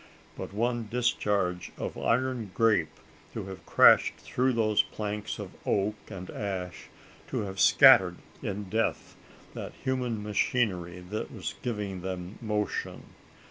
but one discharge of iron grape to have crashed through those planks of oak and ash to have scattered in death, that human machinery that was giving them motion!